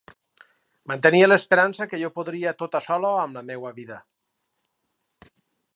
Mantenia l'esperança que jo podria tota sola amb la meua vida.